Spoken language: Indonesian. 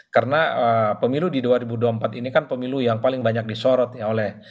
karena pemilu di dua ribu dua puluh empat ini kan pemilu yang paling banyak disorot oleh